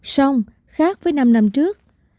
xong khác với năm năm trước